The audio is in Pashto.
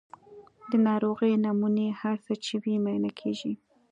د ناروغۍ نمونې هر څه چې وي معاینه کیږي.